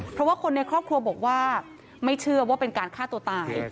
เพราะว่าคนในครอบครัวบอกว่าไม่เชื่อว่าเป็นการฆ่าตัวตาย